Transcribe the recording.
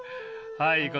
はい。